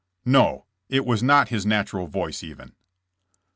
"No; it was not his natural voice even."